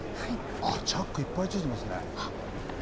チャック、いっぱいついてますね。